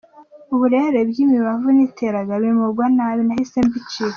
Ubu rero iby’imibavu niteraga bimugwa nabi, nahise mbicikaho.